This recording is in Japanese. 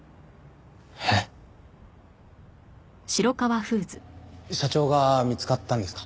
えっ？社長が見つかったんですか？